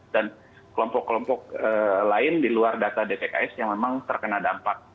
dan kelompok kelompok lain di luar data dtks yang memang terkena dampak